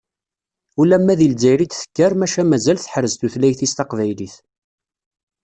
Ulamma deg Lezzayer i d-tekkar maca mazal teḥrez tutlayt-is taqbaylit.